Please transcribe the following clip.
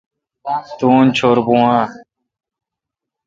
تو ان چھور بھو اؘ۔